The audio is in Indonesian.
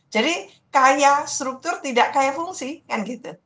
jadi kaya struktur tidak kaya fungsi kan gitu